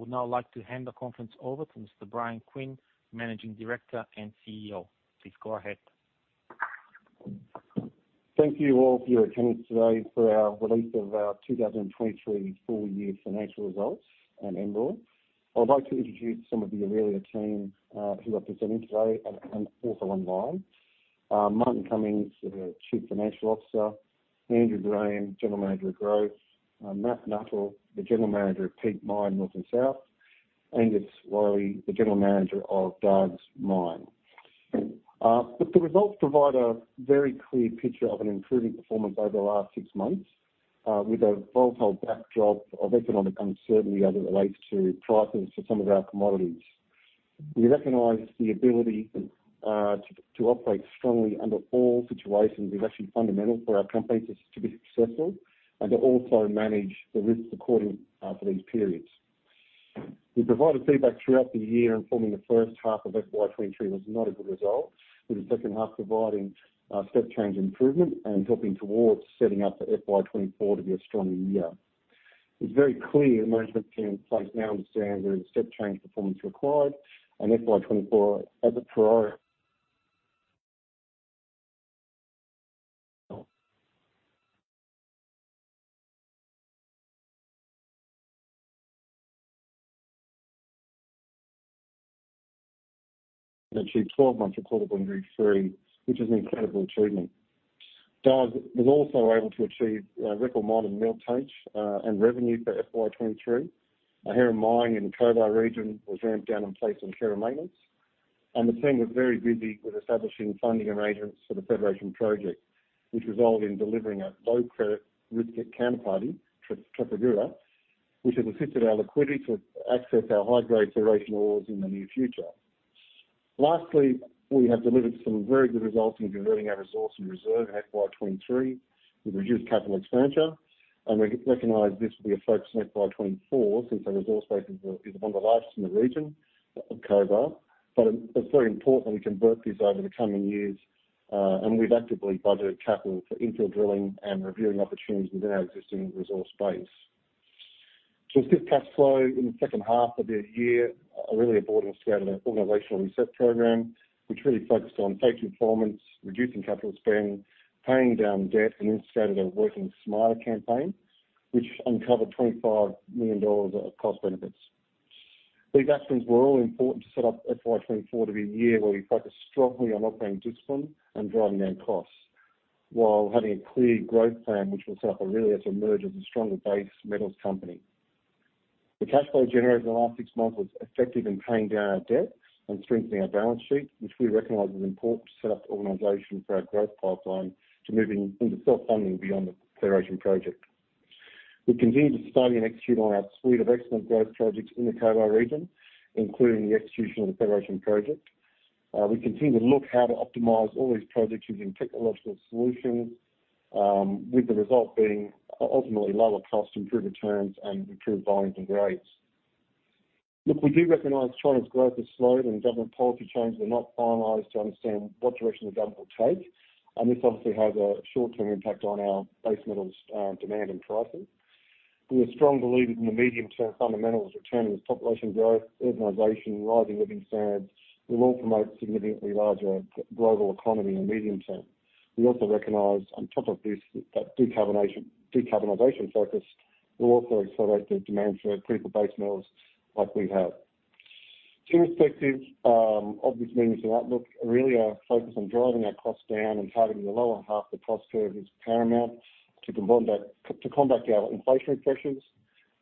I would now like to hand the conference over to Mr. Bryan Quinn, Managing Director and CEO. Please go ahead. Thank you all for your attendance today for our release of our 2023 full year financial results at Aurelia. I'd like to introduce some of the Aurelia team who are presenting today and also online. Martin Cummings, the Chief Financial Officer, Andrew Graham, General Manager of Growth, Matt Nuttall, the General Manager of Peak Mine, North and South, and Angus Wyllie, the General Manager of Dargues Mine. But the results provide a very clear picture of an improving performance over the last six months with a volatile backdrop of economic uncertainty as it relates to prices for some of our commodities. We recognize the ability to operate strongly under all situations is actually fundamental for our company to be successful and to also manage the risks accordingly for these periods. We provided feedback throughout the year, informing the first half of FY 2023 was not a good result, with the second half providing step change improvement and helping towards setting up the FY 2024 to be a stronger year. It's very clear the management team in place now understands there is a step change performance required, and FY 2024 is a priority. Achieve 12 months recordable injury-free, which is an incredible achievement. Dargues was also able to achieve record mine and mill tonnage and revenue for FY 2023. Hera Mine in the Cobar Region was ramped down and placed on care and maintenance, and the team was very busy with establishing funding arrangements for the Federation project, which resulted in delivering a low credit risk counterparty, Trafigura, which has assisted our liquidity to access our high-grade Federation ores in the near future. Lastly, we have delivered some very good results in growing our resource and reserve in FY 2023 with reduced capital expenditure, and we recognize this will be a focus in FY 2024, since our resource base is among the largest in the region of Cobar. But it's very important we convert this over the coming years, and we've actively budgeted capital for infill drilling and reviewing opportunities within our existing resource base. To assist cash flow in the second half of the year, Aurelia board orchestrated an organizational reset program, which really focused on safety performance, reducing capital spend, paying down debt, and instituted a Working Smarter campaign, which uncovered 25 million dollars of cost benefits. These actions were all important to set up FY 2024 to be a year where we focus strongly on operating discipline and driving down costs, while having a clear growth plan, which will set up Aurelia to emerge as a stronger base metals company. The cash flow generated in the last six months was effective in paying down our debt and strengthening our balance sheet, which we recognize is important to set up the organization for our growth pipeline, to moving into self-funding beyond the Federation project. We continue to study and execute on our suite of excellent growth projects in the Cobar region, including the execution of the Federation project. We continue to look how to optimize all these projects using technological solutions, with the result being, ultimately lower cost, improved returns, and improved volumes and grades. Look, we do recognize China's growth has slowed and government policy changes are not finalized to understand what direction the government will take, and this obviously has a short-term impact on our base metals, demand and pricing. We are strong believers in the medium-term fundamentals, returning with population growth, urbanization, rising living standards, will all promote significantly larger global economy in the medium term. We also recognize, on top of this, that decarbonization focus will also accelerate the demand for critical base metals like we have. Irrespective of this medium-term outlook, really, our focus on driving our costs down and targeting the lower half of the cost curve is paramount to combat our inflationary pressures,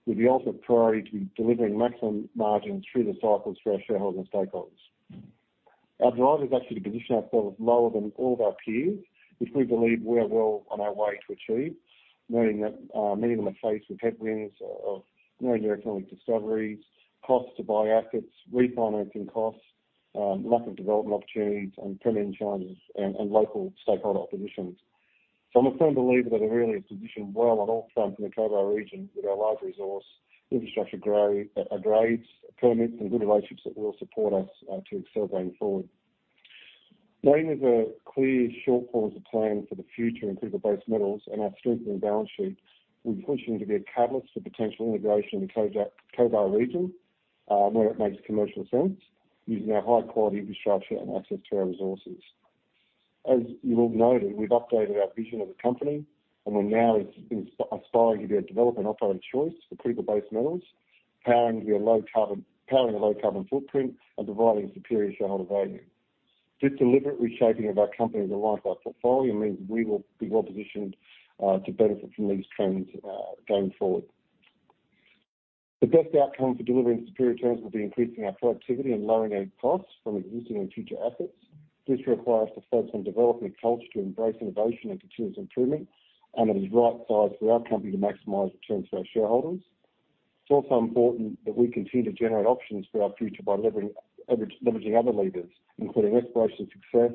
with the ultimate priority to delivering maximum margins through the cycles for our shareholders and stakeholders. Our drive is actually to position ourselves lower than all of our peers, which we believe we are well on our way to achieve, knowing that, many of them are faced with headwinds of no new economic discoveries, costs to buy assets, refinancing costs, lack of development opportunities, and permitting challenges, and, and local stakeholder oppositions. So I'm a firm believer that Aurelia is positioned well on all fronts in the Cobar region with our large resource, infrastructure grow, grades, permits, and good relationships that will support us, to accelerate going forward. Knowing there's a clear short-term plan for the future in critical base metals and our strengthening balance sheet, we're positioning to be a catalyst for potential integration in the Cobar, Cobar region, where it makes commercial sense, using our high-quality infrastructure and access to our resources. As you all noted, we've updated our vision of the company, and we're now inspiring to be a development operator of choice for critical base metals, powering a low carbon footprint, and providing superior shareholder value. This deliberate reshaping of our company and the life of our portfolio means we will be well positioned to benefit from these trends going forward. The best outcome for delivering superior returns will be increasing our productivity and lowering our costs from existing and future assets. This requires us to focus on developing a culture to embrace innovation and continuous improvement, and it is right-sized for our company to maximize returns to our shareholders. It's also important that we continue to generate options for our future by leveraging other levers, including exploration success,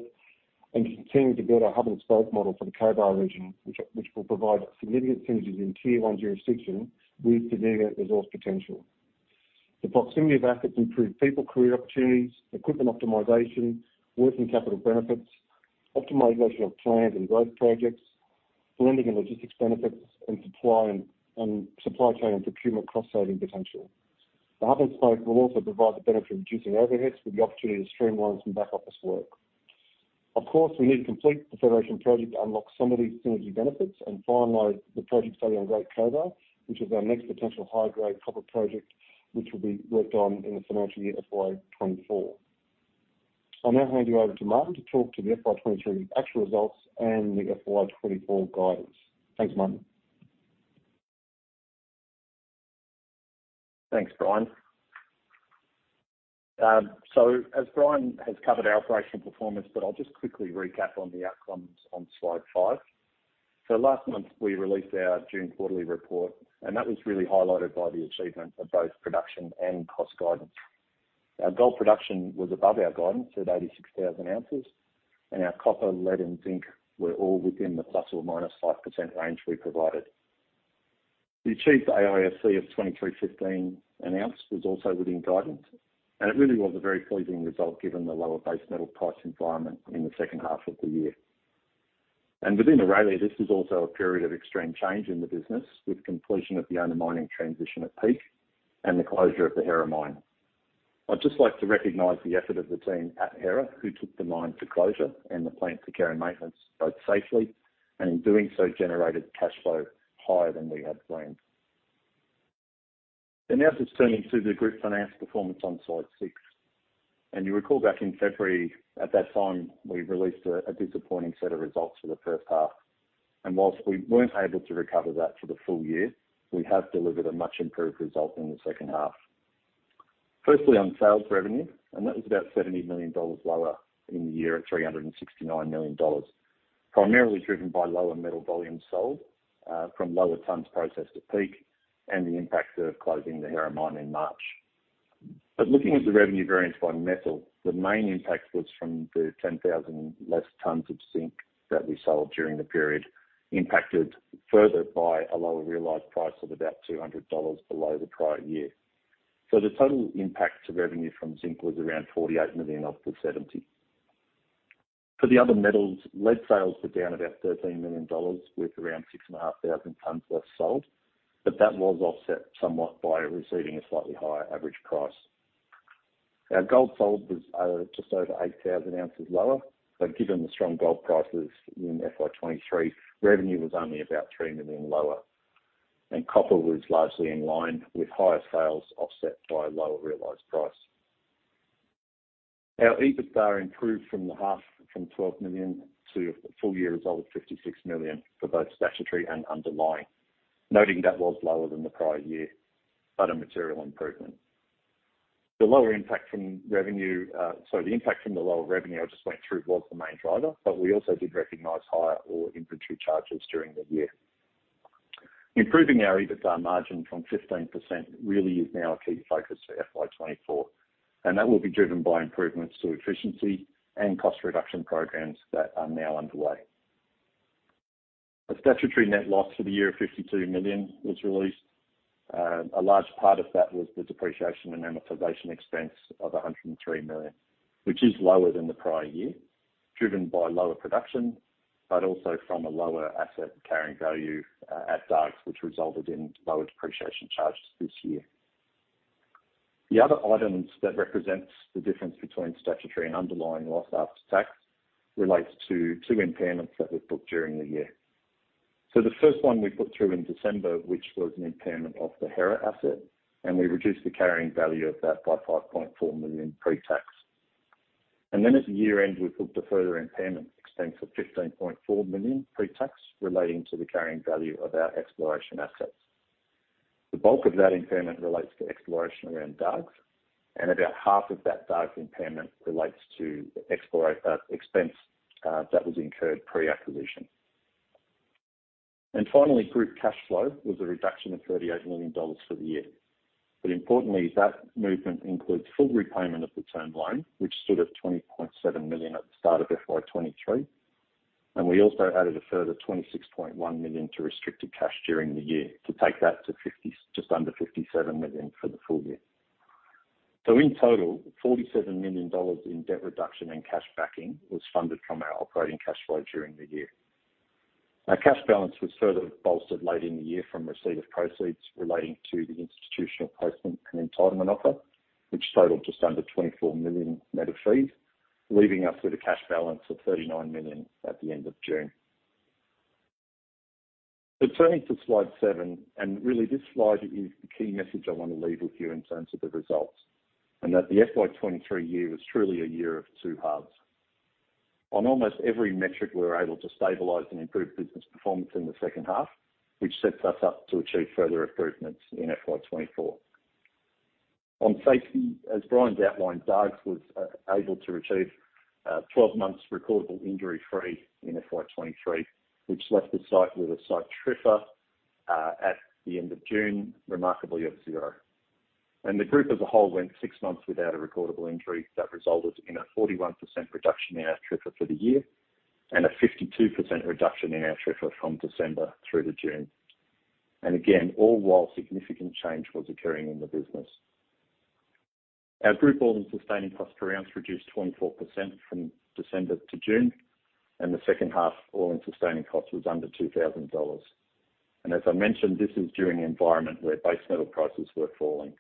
and continuing to build our hub-and-spoke model for the Cobar region, which will provide significant synergies in tier-one jurisdiction with significant resource potential. The proximity of assets improve people career opportunities, equipment optimization, working capital benefits, optimization of plans and growth projects, blending and logistics benefits, and supply chain and procurement cost-saving potential. The hub-and-spoke will also provide the benefit of reducing overheads, with the opportunity to streamline some back-office work. Of course, we need to complete the federation project to unlock some of these synergy benefits and finalize the project study on Great Cobar, which is our next potential high-grade copper project, which will be worked on in the financial year FY 2024. I'll now hand you over to Martin to talk to the FY 23 actual results and the FY 24 guidance. Thanks, Martin. Thanks, Bryan. So as Bryan has covered our operational performance, but I'll just quickly recap on the outcomes on slide five. So last month, we released our June quarterly report, and that was really highlighted by the achievement of both production and cost guidance. Our gold production was above our guidance at 86,000 ounces, and our copper, lead, and zinc were all within the ±5% range we provided. The achieved AISC of 2,315 an ounce was also within guidance, and it really was a very pleasing result, given the lower base metal price environment in the second half of the year. And within Aurelia, this was also a period of extreme change in the business, with completion of the underground mining transition at Peak and the closure of the Hera Mine. I'd just like to recognize the effort of the team at Hera, who took the mine to closure and the plant to care and maintenance both safely, and in doing so, generated cash flow higher than we had planned. Now, let's turn to the group's financial performance on slide six. You recall back in February, at that time, we released a disappointing set of results for the first half. While we weren't able to recover that for the full year, we have delivered a much improved result in the second half. Firstly, on sales revenue, and that was about 70 million dollars lower in the year at 369 million dollars, primarily driven by lower metal volumes sold, from lower tons processed at Peak and the impact of closing the Hera mine in March. But looking at the revenue variance by metal, the main impact was from the 10,000 less tonnes of zinc that we sold during the period, impacted further by a lower realized price of about 200 dollars below the prior year. So the total impact to revenue from zinc was around 48 million out of the 70 million. For the other metals, lead sales were down about 13 million dollars, with around 6,500 tonnes less sold, but that was offset somewhat by receiving a slightly higher average price. Our gold sold was just over 8,000 ounces lower, but given the strong gold prices in FY 2023, revenue was only about 3 million lower, and copper was largely in line with higher sales, offset by a lower realized price. Our EBITDA improved from the half from 12 million to a full-year result of 56 million for both statutory and underlying, noting that was lower than the prior year, but a material improvement. The lower impact from revenue, so the impact from the lower revenue I just went through was the main driver, but we also did recognize higher ore inventory charges during the year. Improving our EBITDA margin from 15% really is now a key focus for FY 2024, and that will be driven by improvements to efficiency and cost reduction programs that are now underway. A statutory net loss for the year of 52 million was released. A large part of that was the depreciation and amortization expense of 103 million, which is lower than the prior year, driven by lower production, but also from a lower asset carrying value at Dargues, which resulted in lower depreciation charges this year. The other items that represents the difference between statutory and underlying loss after tax relates to two impairments that were booked during the year. So the first one we put through in December, which was an impairment of the Hera asset, and we reduced the carrying value of that by 5.4 million pre-tax. And then at year-end, we booked a further impairment expense of 15.4 million pre-tax relating to the carrying value of our exploration assets. The bulk of that impairment relates to exploration around Dargues, and about half of that Dargues impairment relates to exploration expense that was incurred pre-acquisition. Finally, group cash flow was a reduction of AUD 38 million for the year. But importantly, that movement includes full repayment of the term loan, which stood at 20.7 million at the start of FY 2023, and we also added a further 26.1 million to restricted cash during the year to take that to 50, just under 57 million for the full year. So in total, 47 million dollars in debt reduction and cash backing was funded from our operating cash flow during the year. Our cash balance was further bolstered late in the year from receipt of proceeds relating to the institutional placement and entitlement offer, which totaled just under 24 million, net of fees, leaving us with a cash balance of 39 million at the end of June. So turning to slide seven, and really, this slide is the key message I want to leave with you in terms of the results, and that the FY 2023 year was truly a year of two halves. On almost every metric, we were able to stabilize and improve business performance in the second half, which sets us up to achieve further improvements in FY 2024. On safety, as Bryan's outlined, Dargues was able to achieve 12 months recordable injury-free in FY 2023, which left the site with a site TRIFR at the end of June, remarkably, of zero. The group as a whole went six months without a recordable injury. That resulted in a 41% reduction in our TRIFR for the year, and a 52% reduction in our TRIFR from December through to June. And again, all while significant change was occurring in the business... Our group all-in sustaining cost per ounce reduced 24% from December to June, and the second half all-in sustaining cost was under 2,000 dollars. And as I mentioned, this is during an environment where base metal prices were falling.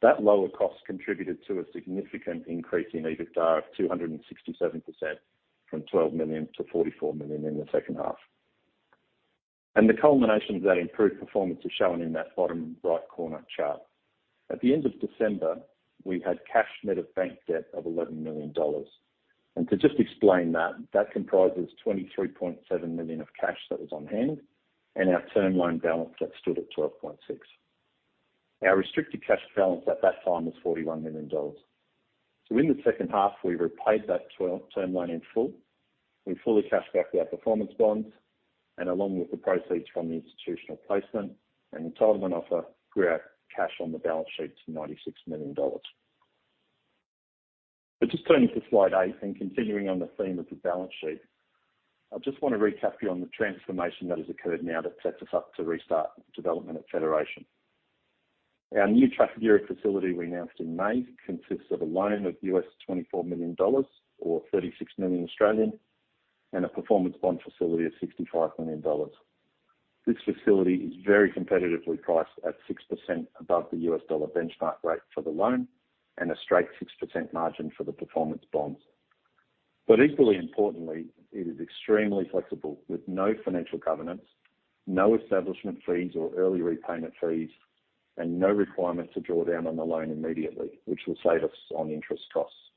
That lower cost contributed to a significant increase in EBITDA of 267%, from 12 to 44 million in the second half. And the culmination of that improved performance is shown in that bottom right corner chart. At the end of December, we had cash net of bank debt of 11 million dollars. And to just explain that, that comprises 23.7 million of cash that was on hand, and our term loan balance that stood at 12.6. Our restricted cash balance at that time was 41 million dollars. So in the second half, we repaid that term loan in full. We fully cashed back our performance bonds, and along with the proceeds from the institutional placement and entitlement offer, grew our cash on the balance sheet to 96 million dollars. But just turning to slide eight and continuing on the theme of the balance sheet, I just want to recap you on the transformation that has occurred now that sets us up to restart development at Federation. Our new Trafigura facility we announced in May consists of a loan of $24 million, or 36 million Australian dollars, and a performance bond facility of AUD 65 million. This facility is very competitively priced at 6% above the US dollar benchmark rate for the loan, and a straight 6% margin for the performance bonds. But equally importantly, it is extremely flexible, with no financial governance, no establishment fees or early repayment fees, and no requirement to draw down on the loan immediately, which will save us on interest costs.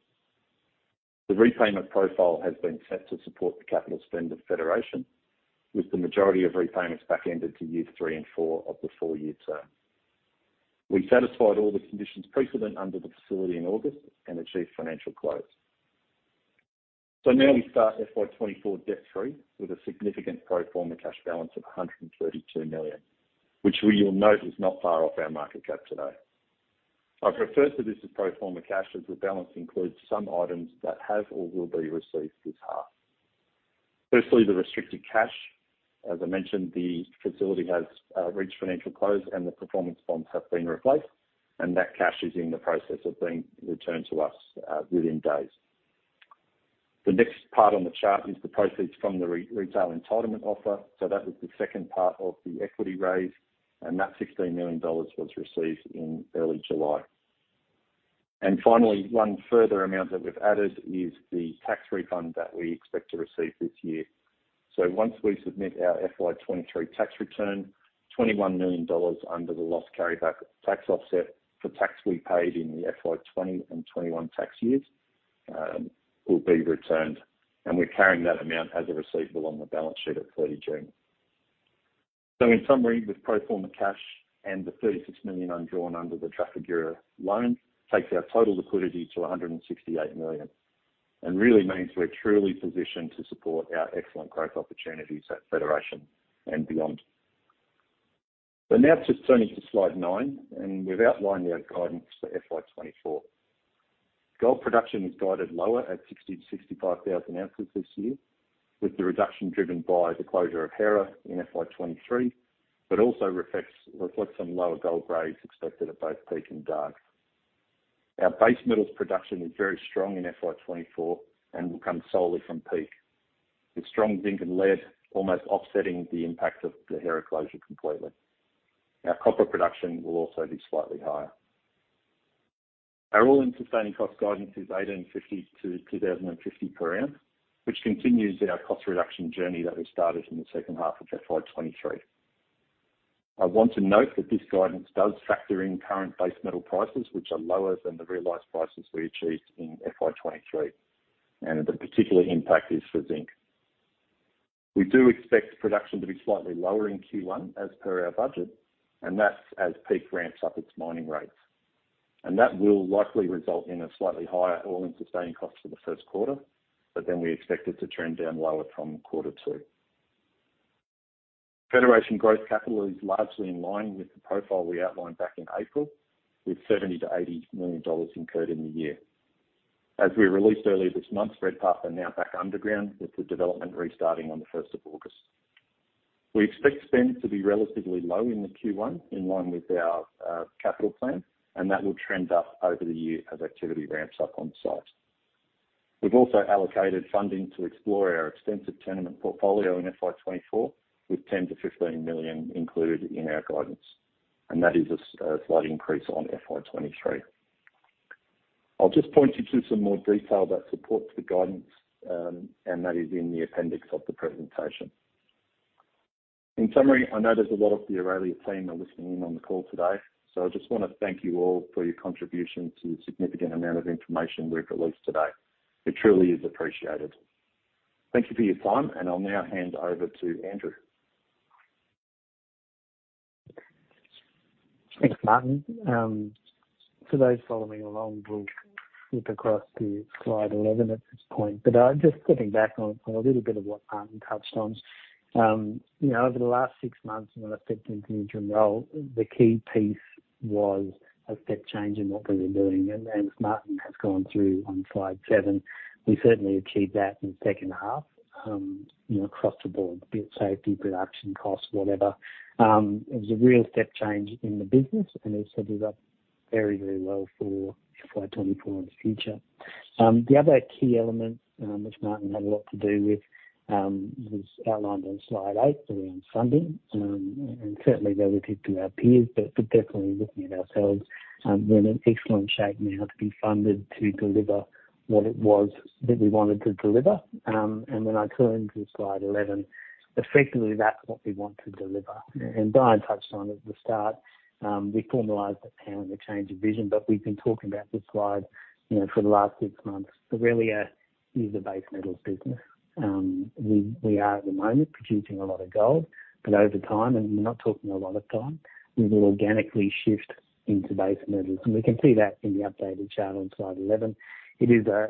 The repayment profile has been set to support the capital spend of Federation, with the majority of repayments backended to year tthree and four of the four-year term. We satisfied all the conditions precedent under the facility in August and achieved financial close. So now we start FY 2024 debt free, with a significant pro forma cash balance of 132 million, which we'll note is not far off our market cap today. I prefer to this as pro forma cash, as the balance includes some items that have or will be received this half. Firstly, the restricted cash. As I mentioned, the facility has reached financial close and the performance bonds have been replaced, and that cash is in the process of being returned to us within days. The next part on the chart is the proceeds from the retail entitlement offer. So that was the second part of the equity raise, and that 16 million dollars was received in early July. And finally, one further amount that we've added is the tax refund that we expect to receive this year. So, once we submit our FY 2023 tax return, 21 million dollars under the loss carryback tax offset for tax we paid in the FY 2020 and 2021 tax years, will be returned, and we're carrying that amount as a receivable on the balance sheet at 30 June 2023. So, in summary, with pro forma cash and the $36 million undrawn under the Trafigura loan, takes our total liquidity to 168 million. And really means we're truly positioned to support our excellent growth opportunities at Federation and beyond. But now just turning to slide nine, and we've outlined our guidance for FY 2024. Gold production is guided lower at 60,000 to 65,000 ounces this year, with the reduction driven by the closure of Hera in FY 2023 but also reflects some lower gold grades expected at both Peak and Dargues. Our base metals production is very strong in FY 2024 and will come solely from Peak, with strong zinc and lead almost offsetting the impact of the Hera closure completely. Our copper production will also be slightly higher. Our all-in sustaining cost guidance is 1,850 to 2,050 per ounce, which continues our cost reduction journey that we started in the second half of FY 2023. I want to note that this guidance does factor in current base metal prices, which are lower than the realized prices we achieved in FY 2023, and the particular impact is for zinc. We do expect production to be slightly lower in first quarter as per our budget, and that's as Peak ramps up its mining rates. That will likely result in a slightly higher all-in sustaining cost for the first quarter, but then we expect it to trend down lower from quarter two. Federation growth capital is largely in line with the profile we outlined back in April, with 70 to 80 million incurred in the year. As we released earlier this month, Redpath are now back underground, with the development restarting on the 1 August 2023. We expect spend to be relatively low in the first quarter, in line with our, capital plan, and that will trend up over the year as activity ramps up on-site. We've also allocated funding to explore our extensive tenement portfolio in FY 2024, with 10 to 15 million included in our guidance, and that is a slight increase on FY 2023. I'll just point you to some more detail that supports the guidance, and that is in the appendix of the presentation. In summary, I know there's a lot of the Aurelia team are listening in on the call today, so I just want to thank you all for your contribution to the significant amount of information we've released today. It truly is appreciated. Thank you for your time, and I'll now hand over to Andrew. Thanks, Martin. Today, following along, we'll flip across to slide 11 at this point. But just getting back on a little bit of what Martin touched on. You know, over the last six months, when I stepped into the interim role, the key piece was a step change in what we were doing. And as Martin has gone through on slide seven, we certainly achieved that in the second half, you know, across the board, be it safety, production, costs, whatever. It was a real step change in the business, and it set us up very, very well for FY 2024 and the future. The other key element, which Martin had a lot to do with, was outlined on slide eight around funding. And certainly relative to our peers, but definitely looking at ourselves, we're in excellent shape now to be funded to deliver what it was that we wanted to deliver. And when I turn to slide 11, effectively that's what we want to deliver. And Bryan touched on it at the start, we formalized it down with a change of vision, but we've been talking about this slide, you know, for the last six months. Aurelia is a base metals business. We are at the moment producing a lot of gold, but over time, and we're not talking a lot of time, we will organically shift into base metals, and we can see that in the updated chart on slide 11. It is a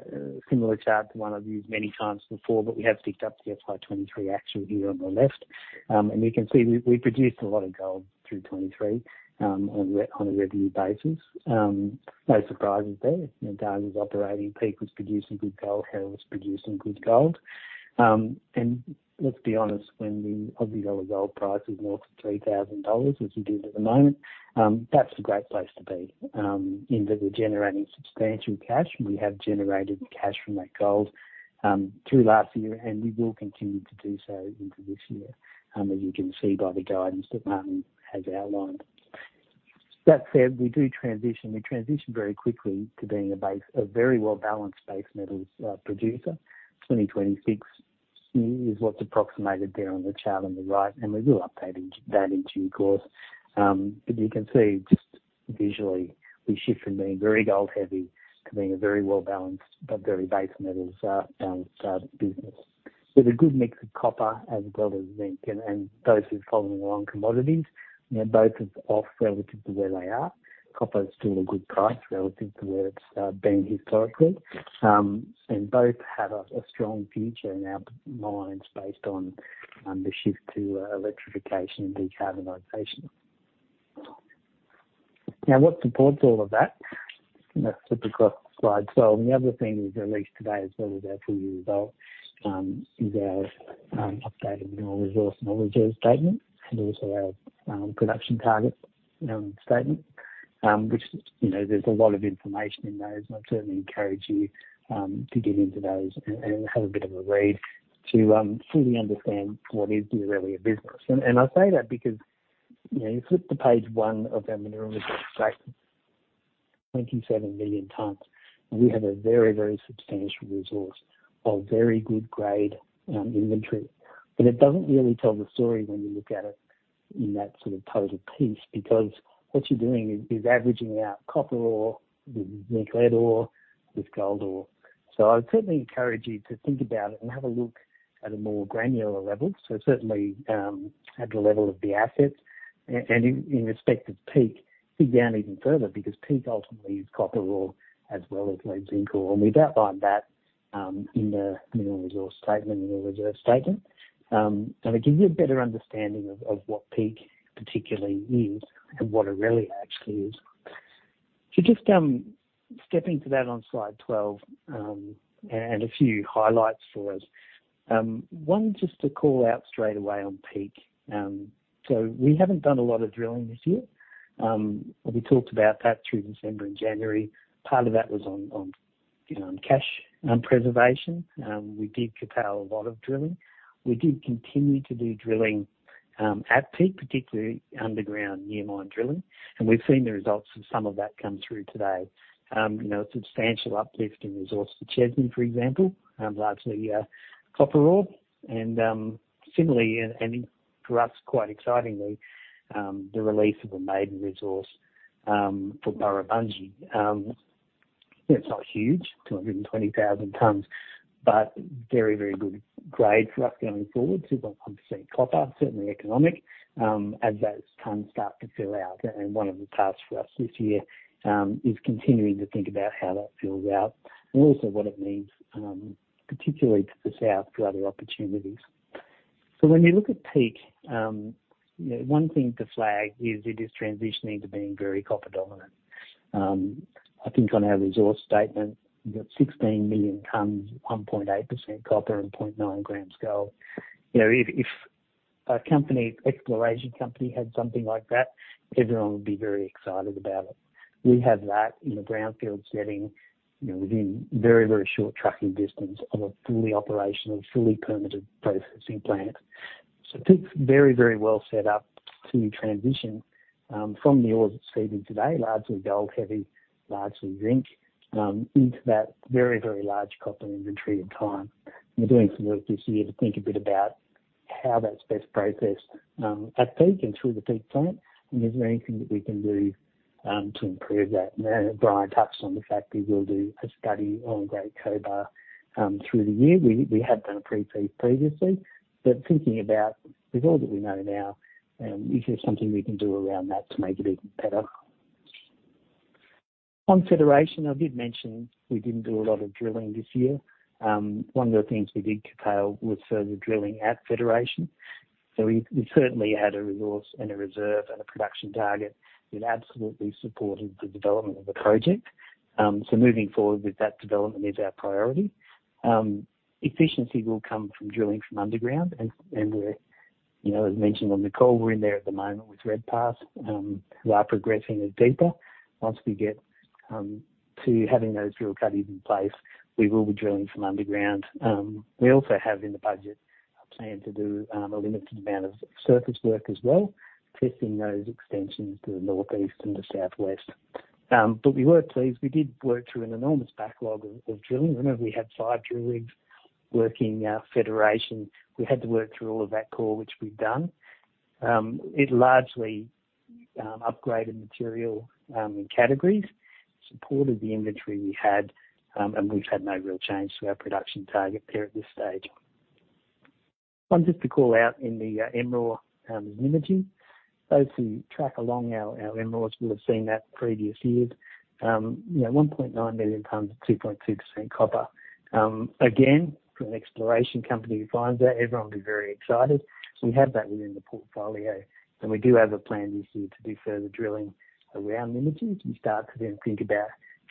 similar chart to one I've used many times before, but we have picked up the FY 2023 actual here on the left. And you can see we produced a lot of gold through 2023, on a review basis. No surprises there. You know, Dargues operating Peak was producing good gold, Hera producing good gold. And let's be honest, when the Aussie dollar gold price is more than 3,000 dollars, as it is at the moment, that's a great place to be. In that we're generating substantial cash. We have generated cash from that gold through last year, and we will continue to do so into this year, as you can see by the guidance that Martin has outlined. That said, we do transition. We transition very quickly to being a base, a very well-balanced base metals, producer. 2026 is what's approximated there on the chart on the right, and we will update that in due course. But you can see just visually, we shift from being very gold heavy to being a very well-balanced, but very base metals, balanced, business. With a good mix of copper as well as zinc, and, and those who've followed along commodities, you know, both is off relative to where they are. Copper is still a good price relative to where it's, been historically. And both have a, a strong future in our minds, based on, the shift to, electrification and decarbonization. Now, what supports all of that? I'm gonna flip across the slide. So the other thing we've released today, as well as our full year result, is our updated mineral resource and reserve statement, and also our production target statement. Which, you know, there's a lot of information in those, and I certainly encourage you to get into those and have a bit of a read to fully understand what is the Aurelia business. And I say that because, you know, you flip to page one of our mineral resource statement, 27 million tons, and we have a very, very substantial resource of very good grade inventory. But it doesn't really tell the story when you look at it in that sort of total piece, because what you're doing is averaging out copper ore with zinc lead ore, with gold ore. So I would certainly encourage you to think about it and have a look at a more granular level. So certainly, at the level of the assets and in respect of Peak, dig down even further, because Peak ultimately is copper ore as well as lead zinc ore. And we've outlined that in the mineral resource statement and the reserve statement. And it gives you a better understanding of what Peak particularly is and what Aurelia actually is. So just stepping to that on slide 12, and a few highlights for us. One, just to call out straightaway on Peak. So we haven't done a lot of drilling this year. We talked about that through December and January. Part of that was on, you know, on cash preservation. We did curtail a lot of drilling. We did continue to do drilling at Peak, particularly underground near mine drilling, and we've seen the results of some of that come through today. You know, a substantial uplift in resource for Chesney, for example, largely copper ore. And similarly, and for us, quite excitingly, the release of a maiden resource for Burrabungie. It's not huge, 220,000 tons, but very, very good grade for us going forward, 2.1% copper, certainly economic as those tons start to fill out. And one of the tasks for us this year is continuing to think about how that fills out and also what it means, particularly to the south, for other opportunities. So when you look at Peak, you know, one thing to flag is it is transitioning to being very copper dominant. I think on our resource statement, we've got 16 million tons, 1.8% copper and 0.9 grams gold. You know, if an exploration company had something like that, everyone would be very excited about it. We have that in a greenfield setting, you know, within very, very short trucking distance of a fully operational, fully permitted processing plant. So I think it's very, very well set up to transition from the ores it's feeding today, largely gold heavy, largely zinc, into that very, very large copper inventory over time. We're doing some work this year to think a bit about how that's best processed at Peak and through the Peak plant, and is there anything that we can do to improve that? And Bryan touched on the fact that we'll do a study on Great Cobar through the year. We have done a pre-feas previously, but thinking about with all that we know now, is there something we can do around that to make it even better? On Federation, I did mention we didn't do a lot of drilling this year. One of the things we did curtail was further drilling at Federation. So we certainly had a resource and a reserve and a production target that absolutely supported the development of the project. So moving forward with that development is our priority. Efficiency will come from drilling from underground, and we're. You know, as mentioned on the call, we're in there at the moment with Redpath, who are progressing it deeper. Once we get to having those drill cuttings in place, we will be drilling from underground. We also have in the budget a plan to do a limited amount of surface work as well, testing those extensions to the northeast and the southwest. But we were pleased. We did work through an enormous backlog of drilling. Remember, we had five drill rigs working Federation. We had to work through all of that core, which we've done. It largely upgraded material in categories, supported the inventory we had, and we've had no real change to our production target there at this stage. I want just to call out in the MROR, Nymagee. Those who track along our MRORs would have seen that previous years. You know, 1.9 million tons of 2.2% copper. Again, for an exploration company who finds that, everyone will be very excited. So, we have that within the portfolio, and we do have a plan this year to do further drilling around the imaging and start to then think about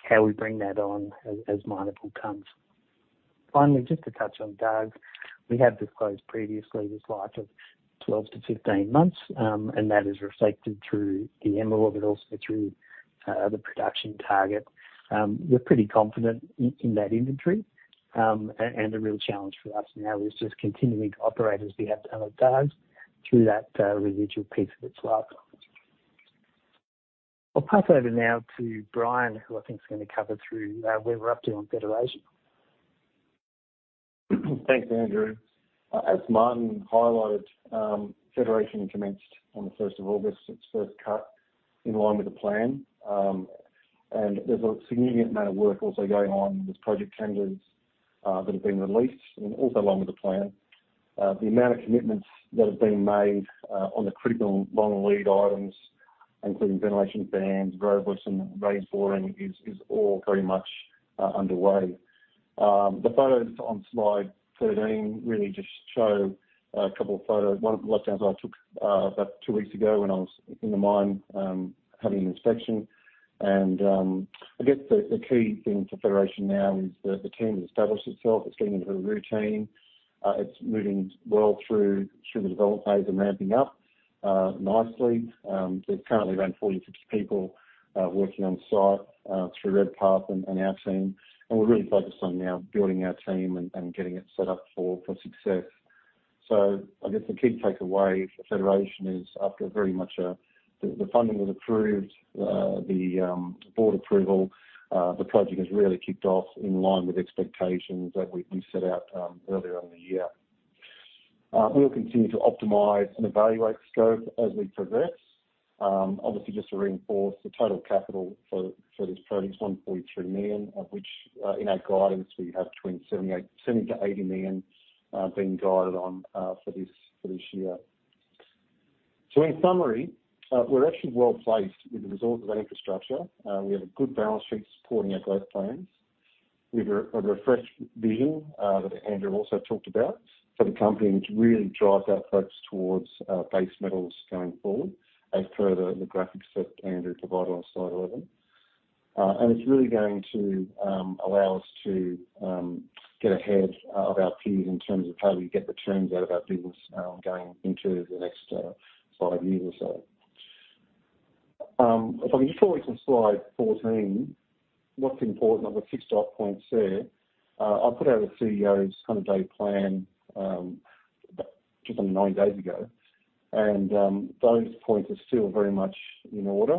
how we bring that on as mineable tons. Finally, just to touch on Dargues, we have disclosed previously this life of 12 to 15 months, and that is reflected through the MROR, but also through the production target. We're pretty confident in that inventory. And the real challenge for us now is just continuing to operate as we have done at Dargues through that residual piece of its life. I'll pass over now to Bryan, who I think is going to cover through where we're up to on Federation. Thanks, Andrew. As Martin highlighted, Federation commenced on the 1 August 2023, its first cut in line with the plan. There's a significant amount of work also going on with project changes that have been released, and also along with the plan. The amount of commitments that have been made on the critical long lead items, including ventilation fans, roadheaders, and raise boring, is all very much underway. The photos on slide 13 really just show a couple of photos. One of the long shots I took about two weeks ago when I was in the mine, having an inspection. I guess the key thing for Federation now is that the team has established itself. It's getting into a routine. It's moving well through the development phase and ramping up nicely. There's currently around 40 to 50 people working on site through Redpath and our team, and we're really focused on now building our team and getting it set up for success. So, I guess the key takeaway for Federation is after very much the funding was approved, the board approval, the project has really kicked off in line with expectations that we set out earlier in the year. We'll continue to optimize and evaluate scope as we progress. Obviously, just to reinforce, the total capital for this project is 1.3 million, of which in our guidance, we have between 70 to 80 million being guided on for this year. So, in summary, we're actually well placed with the resources and infrastructure. We have a good balance sheet supporting our growth plans. We have a refreshed vision that Andrew also talked about for the company, which really drives our focus towards base metals going forward, as per the graphics that Andrew provided on slide 11. And it's really going to allow us to get ahead of our peers in terms of how we get returns out of our business, going into the next five years or so. If I can just talk to slide 14, what's important, I've got six dot points there. I put out a CEO's 100-day plan just 90 days ago, and those points are still very much in order.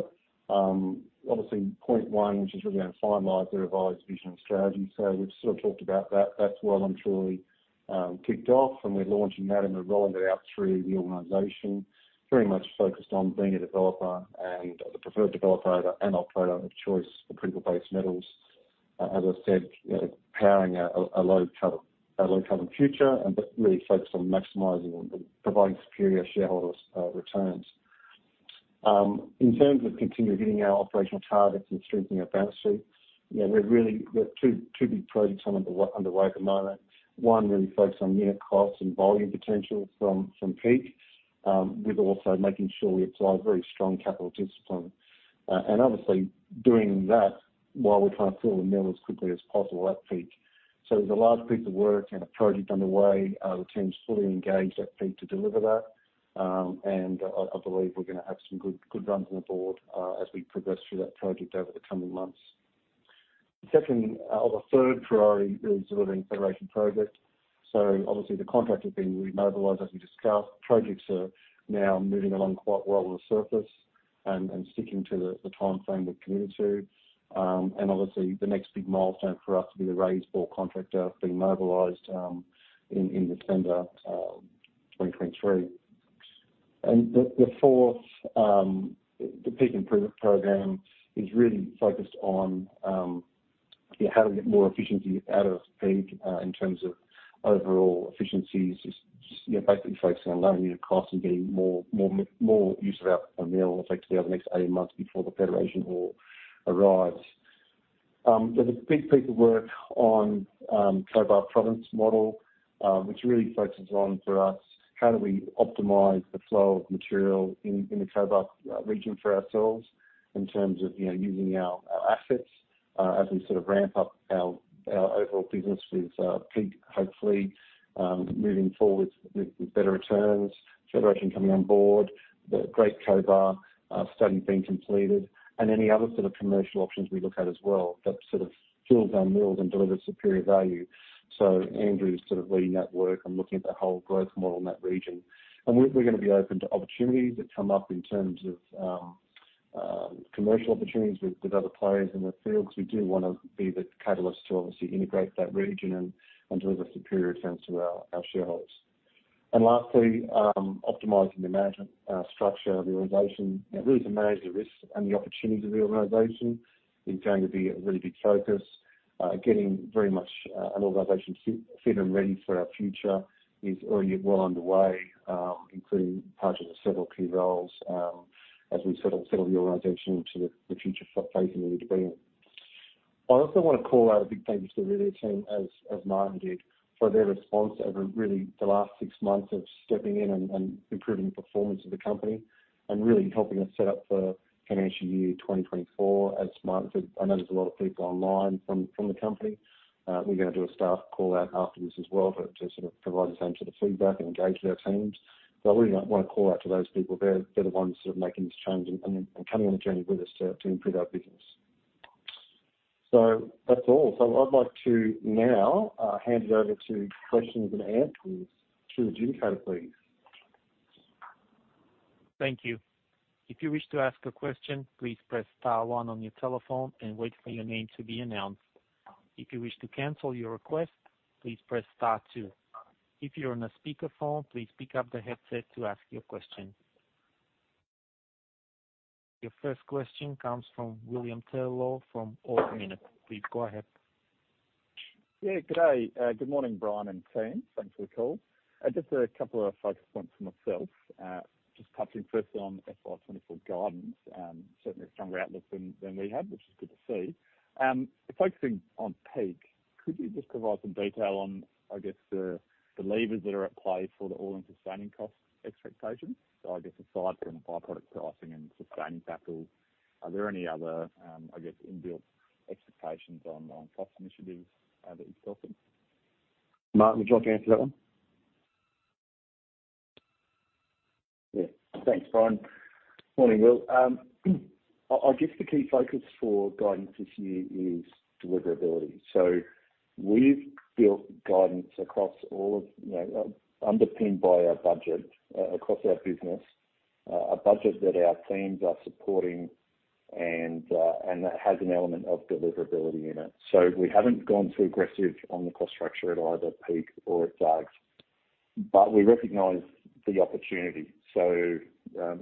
Obviously, point one, which is really going to finalize the revised vision and strategy. So we've sort of talked about that. That's well and truly kicked off, and we're launching that, and we're rolling it out through the organization, very much focused on being a developer and the preferred developer and operator of choice for critical base metals. As I said, you know, powering a low-carbon future, and but really focused on maximizing and providing superior shareholders returns. In terms of continuing hitting our operational targets and strengthening our balance sheet, you know, we're really... We've two big projects underway at the moment. One, really focused on unit costs and volume potential from Peak, with also making sure we apply very strong capital discipline. And obviously, doing that while we try and fill the mill as quickly as possible at Peak. So there's a large piece of work and a project underway. The team's fully engaged at Peak to deliver that. And I believe we're gonna have some good, good runs on the board as we progress through that project over the coming months. The second or the third priority is delivering Federation project. So obviously, the contract has been remobilized, as we discussed. Projects are now moving along quite well on the surface and sticking to the timeframe we've committed to. And obviously, the next big milestone for us will be the Raise Bore contractor being mobilized in December 2023. And the fourth, the Peak improvement program is really focused on yeah, how to get more efficiency out of Peak in terms of overall efficiencies. You know, basically focusing on lowering your costs and getting more use of our mill effectively over the next 18 months before the Federation ore arrives. There's a big piece of work on Cobar province model, which really focuses on, for us, how do we optimize the flow of material in the Cobar region for ourselves in terms of, you know, using our assets? As we sort of ramp up our overall business with Peak, hopefully moving forward with better returns, Federation coming on board, the Great Cobar study being completed and any other sort of commercial options we look at as well, that sort of fills our mills and delivers superior value. So Andrew is sort of leading that work and looking at the whole growth model in that region. And we're going to be open to opportunities that come up in terms of commercial opportunities with other players in the fields. We do want to be the catalyst to obviously integrate that region and deliver superior returns to our shareholders. And lastly, optimizing the management structure of the organization. It really to manage the risks and the opportunities of the organization is going to be a really big focus. Getting very much an organization fit and ready for our future is already well underway, including parts of the several key roles, as we sort of settle the organization into the future phase we need to be in. I also want to call out a big thank you to the relay team, as Martin did, for their response over really the last six months of stepping in and improving the performance of the company and really helping us set up for financial year 2024. As Martin said, I know there's a lot of people online from the company. We're going to do a staff call out after this as well, but to sort of provide a sense of the feedback and engage with our teams. But I really want to call out to those people. They're the ones sort of making this change and coming on a journey with us to improve our business. So that's all. So I'd like to now hand it over to questions and answers to the adjudicator, please. Thank you. If you wish to ask a question, please press star one on your telephone and wait for your name to be announced. If you wish to cancel your request, please press star two. If you're on a speakerphone, please pick up the headset to ask your question. Your first question comes from William Taylor, from Ord Minnett. Please go ahead. Yeah, good day. Good morning, Bryan and team. Thanks for the call. Just a couple of focus points for myself. Just touching firstly on FY 2024 guidance, certainly a stronger outlook than, than we had, which is good to see. Focusing on Peak, could you just provide some detail on, I guess, the, the levers that are at play for the all-in sustaining cost expectations? So I guess aside from the by-product pricing and sustaining capital, are there any other, I guess, inbuilt expectations on, on cost initiatives, that you've built in? Martin, would you like to answer that one? Yeah. Thanks, Bryan. Morning, Will. I guess the key focus for guidance this year is deliverability. So we've built guidance across all of, you know, underpinned by our budget across our business, a budget that our teams are supporting and, and that has an element of deliverability in it. So we haven't gone too aggressive on the cost structure at either Peak or at Dargues, but we recognize the opportunity. So,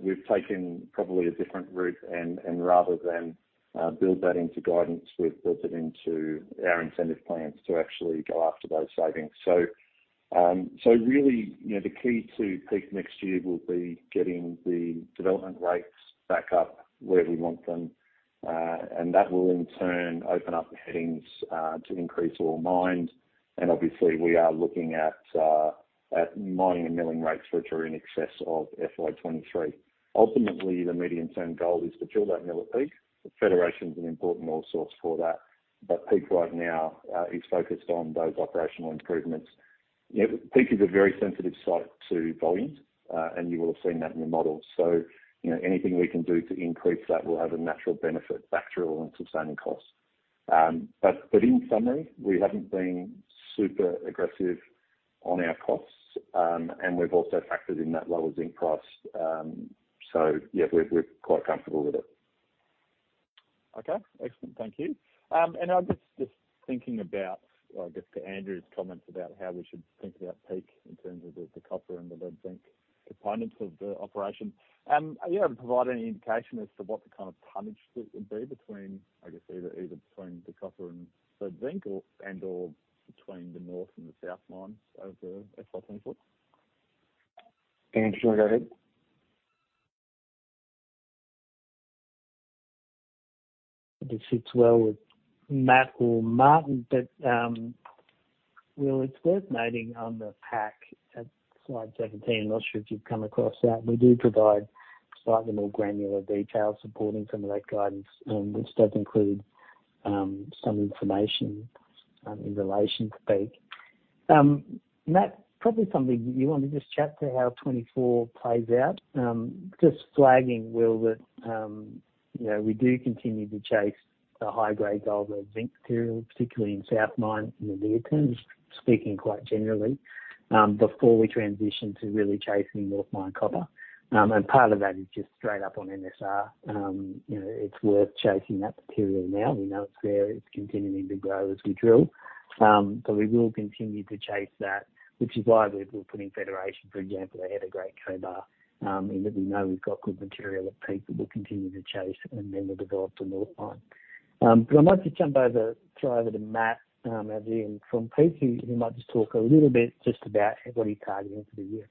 we've taken probably a different route, and, and rather than, build that into guidance, we've built it into our incentive plans to actually go after those savings. So, so really, you know, the key to Peak next year will be getting the development rates back up where we want them. And that will in turn open up the headings, to increase all mined. And obviously, we are looking at at mining and milling rates which are in excess of FY 23. Ultimately, the medium-term goal is to drill that mill at Peak. The Federation is an important all source for that, but Peak right now is focused on those operational improvements. You know, Peak is a very sensitive site to volumes, and you will have seen that in the model. So, you know, anything we can do to increase that will have a natural benefit back to all-in sustaining costs. But, but in summary, we haven't been super aggressive on our costs, and we've also factored in that lower zinc price. So yeah, we're, we're quite comfortable with it. Okay, excellent. Thank you. And I'm just thinking about, I guess, to Andrew's comments about how we should think about Peak in terms of the copper and the lead-zinc components of the operation. Are you able to provide any indication as to what the kind of tonnage that would be between, I guess, either between the copper and lead-zinc or and/or between the north and the south mines over FY 2024? Andrew, do you want to go ahead? This fits well with Matt or Martin, but, well, it's worth noting on the pack at slide 17, I'm not sure if you've come across that. We do provide slightly more granular detail supporting some of that guidance, which does include some information in relation to Peak. Matt, probably something you want to just chat to how 2024 plays out? Just flagging, Will, that, you know, we do continue to chase the high grades of the zinc material, particularly in South Mine, in the near terms, speaking quite generally, before we transition to really chasing North Mine copper. And part of that is just straight up on NSR. You know, it's worth chasing that material now. We know it's there. It's continuing to grow as we drill. We will continue to chase that, which is why we're putting Federation, for example, ahead of Great Cobar, and that we know we've got good material at Peak that we'll continue to chase, and then we'll develop the North Mine. I might just jump over, throw over to Matt, over here from Peak. He, he might just talk a little bit just about what he's targeting for the year.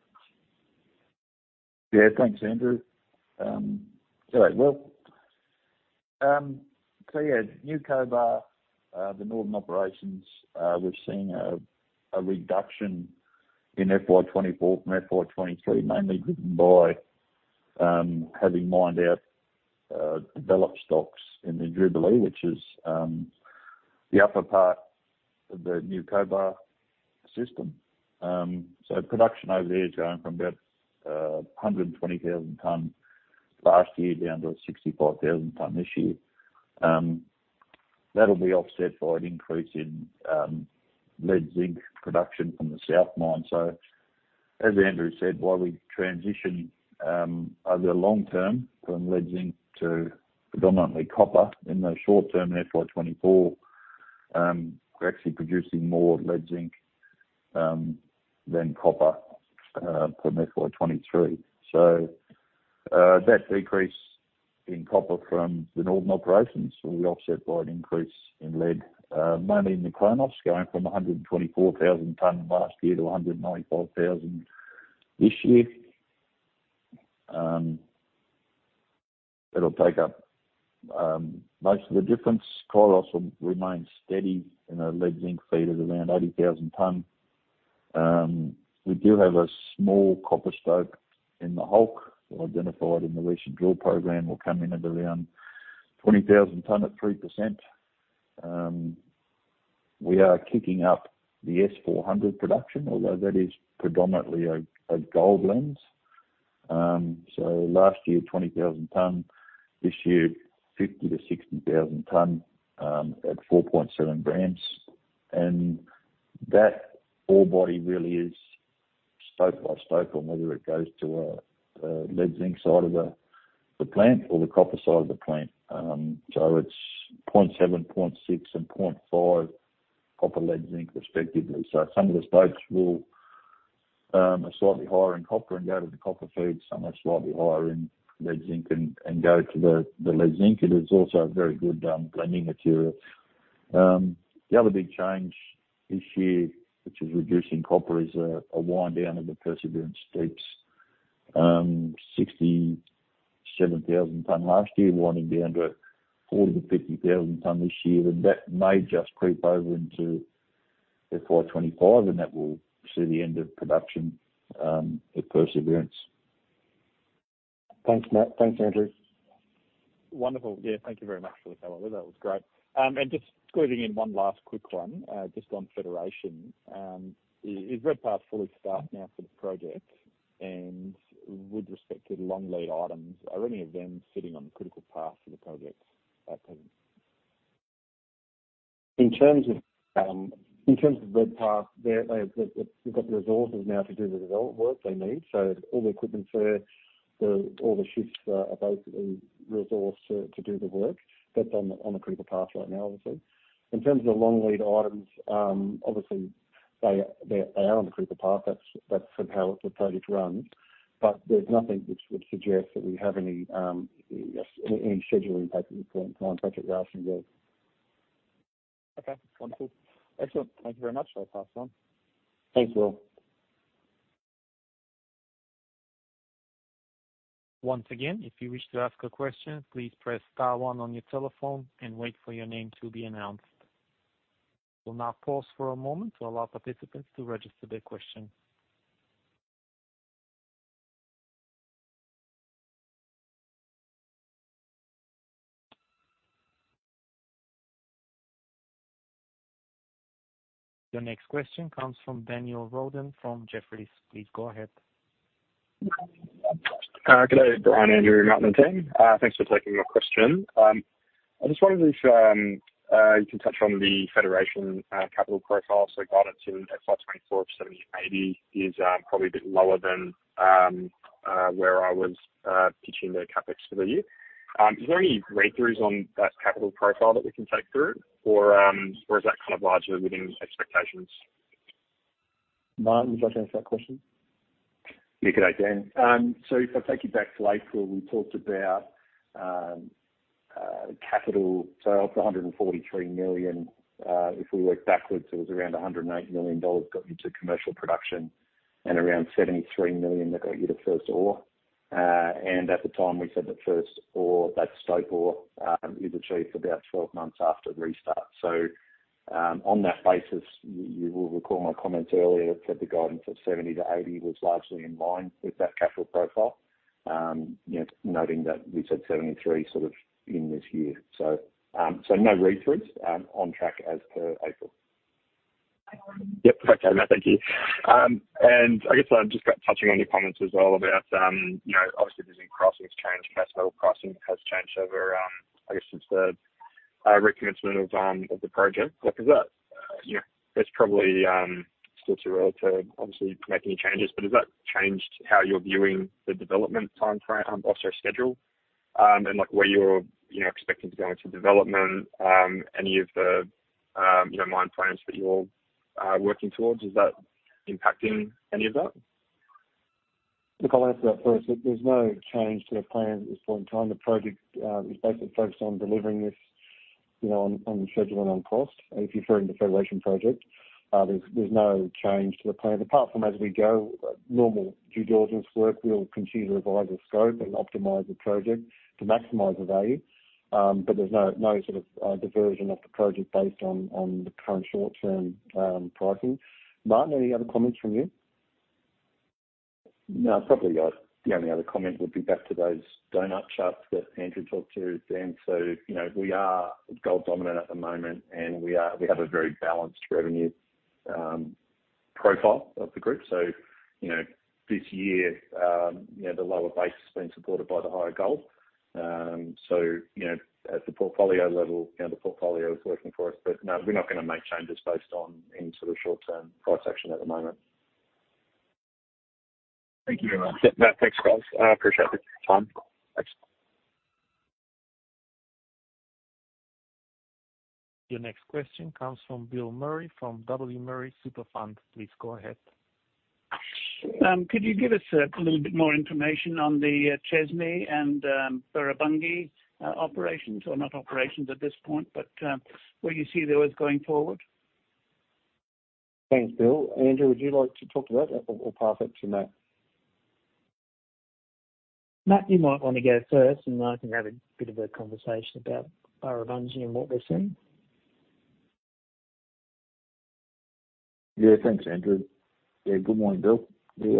Yeah. Thanks, Andrew. All right, Will. So yeah, New Cobar, the northern operations, we've seen a reduction in FY 2024 from FY 2023, mainly driven by having mined out developed stocks in the Jubilee, which is the upper part of the New Cobar system. So production over there is going from about 120,000 tons last year, down to 65,000 tons this year. That'll be offset by an increase in lead-zinc production from the South mine. So as Andrew said, while we transition over the long term from lead-zinc to predominantly copper, in the short term, FY 2024, we're actually producing more lead-zinc than copper from FY 2023. So, that decrease in copper from the northern operations will be offset by an increase in lead, mainly in the Kronos, going from 124,000 tonnes last year to 195,000 tonnes this year. It'll take up most of the difference. Kronos will remain steady in a lead zinc feed at around 80,000 tonnes. We do have a small copper stope in the Hulk, identified in the recent drill program, will come in at around 20,000 tonnes at 3%. We are kicking up the S400 production, although that is predominantly a gold lens. So last year, 20,000 tonnes, this year, 50,000 to 60,000 tonnes at 4.7 grams. That ore body really is stope by stope, on whether it goes to the lead zinc side of the plant or the copper side of the plant. So, it's 0.7, 0.6, and 0.5, copper, lead, zinc, respectively. So, some of the stopes will are slightly higher in copper and go to the copper feed. Some are slightly higher in lead zinc and go to the lead zinc. It is also a very good blending material. The other big change this year, which is reducing copper, is a wind down of the Perseverance Deeps. 67,000 ton last year, winding down to 40,000 to 50,000 ton this year, and that may just creep over into FY 2025, and that will see the end of production at Perseverance. Thanks, Matt. Thanks, Andrew. Wonderful. Yeah, thank you very much for that. That was great. And just squeezing in one last quick one, just on Federation. Is Redpath fully staffed now for the project? And with respect to the long lead items, are any of them sitting on the critical path for the project at present? In terms of, in terms of Redpath, they've got the resources now to do the development work they need. So all the equipment's there, all the shifts are basically resourced to do the work. That's on the critical path right now, obviously. In terms of the long lead items, obviously, they are on the critical path. That's how the project runs. But there's nothing which would suggest that we have any scheduling impact on project rationale. Okay, wonderful. Excellent. Thank you very much. I'll pass on. Thanks, Will. Once again, if you wish to ask a question, please press star one on your telephone and wait for your name to be announced. We'll now pause for a moment to allow participants to register their question. Your next question comes from Daniel Roden from Jefferies. Please go ahead. Good day, Bryan, Andrew, management team. Thanks for taking my question. I just wondered if you can touch on the Federation capital profile. Guidance in FY 2024 of 70 to 80 is probably a bit lower than where I was pitching the CapEx for the year. Is there any read-throughs on that capital profile that we can take through? Or is that kind of largely within expectations? Martin, would you like to answer that question? Yeah. Good day, Dan. So, if I take you back to April, we talked about capital of 143 million. If we work backwards, it was around 108 million dollars got you to commercial production, and around 73 million that got you to first ore. And at the time, we said the first ore, that stope ore, is achieved about 12 months after the restart. So, on that basis, you will recall my comments earlier that said the guidance of 70 to 80 was largely in line with that capital profile. You know, noting that we said 73 sort of in this year. So, so no read-throughs. On track as per April. Yep. Okay, Matt, thank you. And I guess I've just got touching on your comments as well about, you know, obviously, different crossings change, capital crossing has changed over, I guess since the, recommencement of, of the project. Like, is that, you know, that's probably, still too early to obviously make any changes, but has that changed how you're viewing the development timeframe, also schedule, and like where you're, you know, expecting to go into development, any of the, you know, mine frames that you're, working towards? Is that impacting any of that? Look, I'll answer that first. There's no change to the plan at this point in time. The project is basically focused on delivering this, you know, on schedule and on cost. If you're referring to the Federation project, there's no change to the plan. Apart from as we go, normal due diligence work, we'll continue to revise the scope and optimize the project to maximize the value. But there's no sort of diversion of the plan based on the current short-term pricing. Martin, any other comments from you? No, probably the only other comment would be back to those doughnut charts that Andrew talked to then. So, you know, we are gold dominant at the moment, and we have a very balanced revenue profile of the group. So, you know, this year, you know, the lower base has been supported by the higher gold. So, you know, at the portfolio level, you know, the portfolio is working for us. But no, we're not gonna make changes based on any sort of short-term price action at the moment. Thank you very much. Yeah, thanks, guys. I appreciate your time. Thanks. Your next question comes from Bill Murray, from W. Murray Super Fund. Please go ahead. Could you give us a little bit more information on the Chesney and Burrabungie operations, or not operations at this point, but where you see those going forward? Thanks, Bill. Andrew, would you like to talk to that, or, or pass it to Matt? Matt, you might want to go first, and I can have a bit of a conversation about Burrabungie and what we're seeing. Yeah. Thanks, Andrew. Yeah, good morning, Bill. We,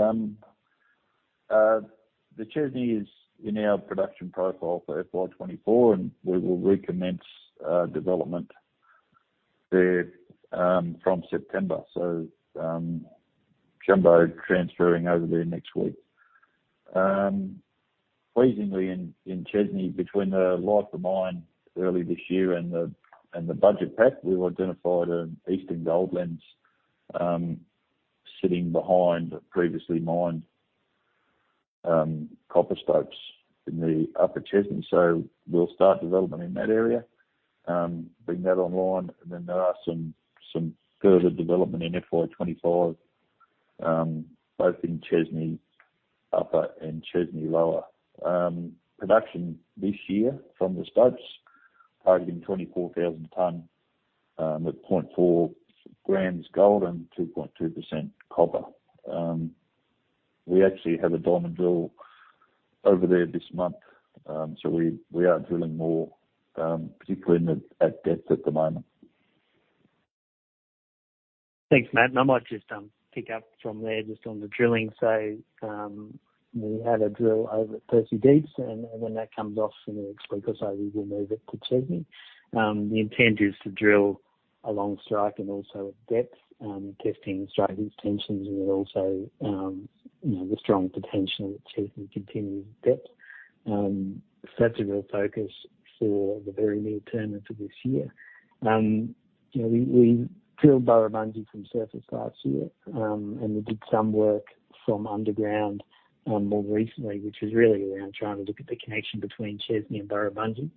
the Chesney is in our production profile for FY 2024, and we will recommence development there from September. So, jumbo transferring over there next week. Pleasingly, in Chesney, between the life of mine early this year and the budget pack, we've identified Eastern Gold Lens sitting behind previously mined copper stopes in the upper Chesney. So we'll start development in that area, bring that online, and then there are some further development in FY 2025, both in Chesney Upper and Chesney Lower. Production this year from the stopes, targeting 24,000 tonnes at 0.4 grams gold and 2.2% copper. We actually have a diamond drill over there this month, so we are drilling more, particularly at depth at the moment. Thanks, Matt. I might just pick up from there, just on the drilling. We had a drill over at Perseverance Deeps, and when that comes off in the next week or so, we will move it to Chesney. The intent is to drill along strike and also at depth, testing strike extensions and then also, you know, the strong potential at Chesney continued depth. That's a real focus for the very near term and for this year. You know, we drilled Burrabungie from surface last year, and we did some work from underground, more recently, which is really around trying to look at the connection between Chesney and Burrabungie.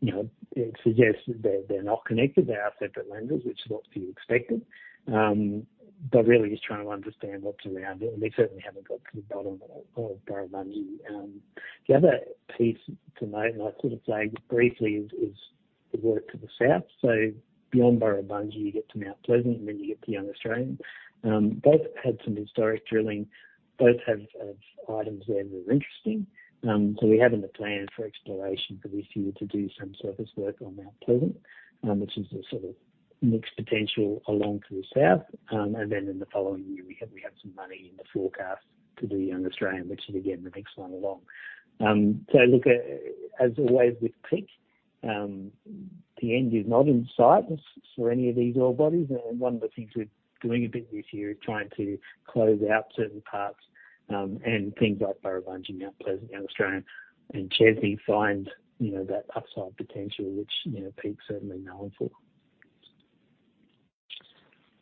You know, it suggests that they're not connected. They are separate lenses, which is what we expected, but really just trying to understand what's around it. We certainly haven't got to the bottom of Burrabungie. The other piece to note, and I sort of say briefly, is the work to the south. So beyond Burrabungie, you get to Mount Pleasant, and then you get to Young Australian. Both had some historic drilling. Both have items there that are interesting. So we have in the plan for exploration for this year to do some surface work on Mount Pleasant, which is a sort of mixed potential along to the south. And then in the following year, we have some money in the forecast to do Young Australian, which is again, the next one along. So look, as always, with Peak, the end is not in sight for any of these ore bodies. One of the things we're doing a bit this year is trying to close out certain parts, and things like Burrabungie, Mount Pleasant, Young Australian, and Chesney find, you know, that upside potential, which, you know, Peak is certainly known for.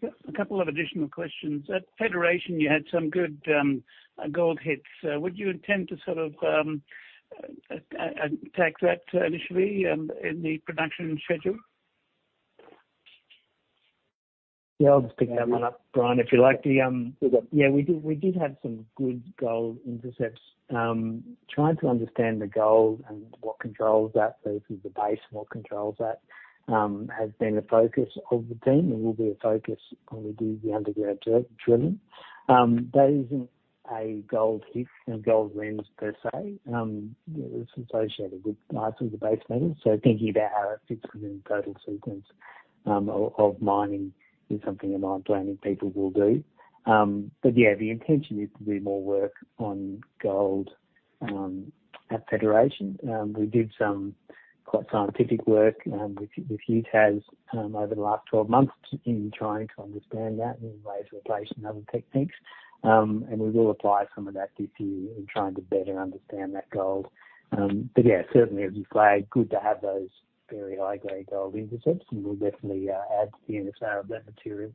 Yeah. A couple of additional questions. At Federation, you had some good gold hits. Would you intend to sort of attack that initially in the production schedule? Yeah, I'll just pick that one up, Bryan, if you like. The... Okay. Yeah, we did, we did have some good gold intercepts. Trying to understand the gold and what controls that, so if it's the base and what controls that, has been a focus of the team and will be a focus when we do the underground drilling. That isn't a gold hit and a gold lens per se. It's associated with parts of the basement. So thinking about how it fits within the total sequence of mining is something that my planning people will do. But yeah, the intention is to do more work on gold at Federation. We did some quite scientific work with UTAS over the last 12 months in trying to understand that and raise bore, replace, and other techniques. We will apply some of that this year in trying to better understand that gold. But yeah, certainly as you flag, good to have those very high-grade gold intercepts, and we'll definitely add to the NSR of that material.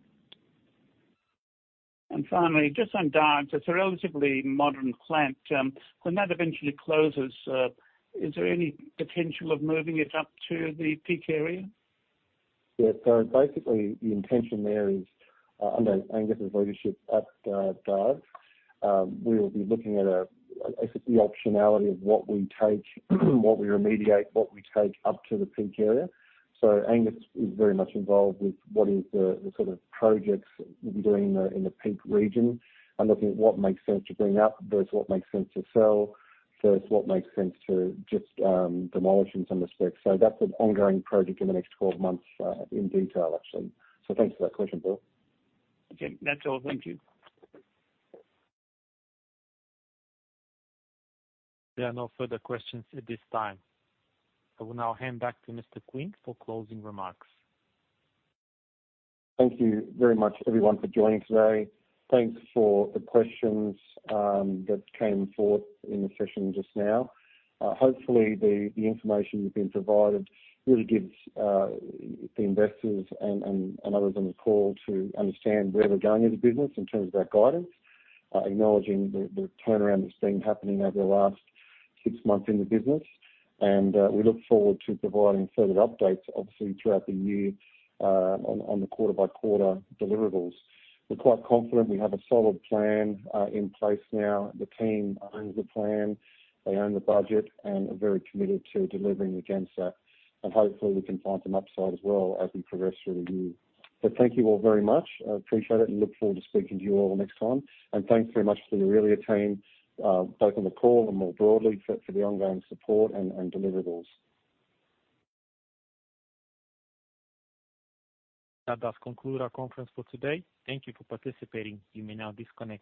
And finally, just on Hera. It's a relatively modern plant. When that eventually closes, is there any potential of moving it up to the Peak area? Yeah. So basically, the intention there is, under Angus' leadership at Dargues, we will be looking at the optionality of what we take, what we remediate, what we take up to the Peak area. So Angus is very much involved with what is the sort of projects we'll be doing in the Peak region and looking at what makes sense to bring up, versus what makes sense to sell, versus what makes sense to just demolish in some respects. So that's an ongoing project in the next 12 months, in detail, actually. So thanks for that question, Bill. Okay, that's all. Thank you. There are no further questions at this time. I will now hand back to Mr. Quinn for closing remarks. Thank you very much, everyone, for joining today. Thanks for the questions that came forth in the session just now. Hopefully, the information you've been provided really gives the investors and others on the call to understand where we're going as a business in terms of our guidance. Acknowledging the turnaround that's been happening over the last six months in the business, we look forward to providing further updates, obviously, throughout the year, on the quarter-by-quarter deliverables. We're quite confident we have a solid plan in place now. The team owns the plan; they own the budget and are very committed to delivering against that. And hopefully, we can find some upside as well as we progress through the year. But thank you all very much. I appreciate it and look forward to speaking to you all next time. Thanks very much for the Aurelia team, both on the call and more broadly, for the ongoing support and deliverables. That does conclude our conference for today. Thank you for participating. You may now disconnect.